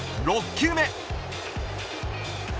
６球目。